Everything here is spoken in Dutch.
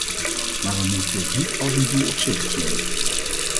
Maar we moeten dit niet als een doel op zich zien.